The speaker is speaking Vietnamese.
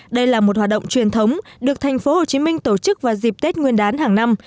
đây là một hoạt động truyền thống được tp hcm tổ chức vào dịp tết nguyên đán hàng năm